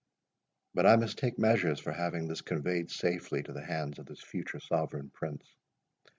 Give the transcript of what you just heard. But I must take measures for having this conveyed safely to the hands of this future sovereign prince.